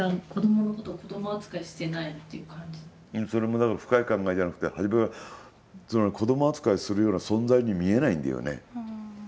それも、だから深い考えじゃなくて初めから子ども扱いするような存在に見えないんだよね。